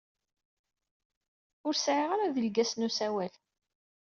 Ur sɛiɣ ara adelgas n usawal.